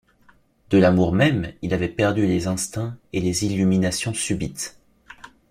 De l’amour même, il avait perdu les instincts et les illuminations subites.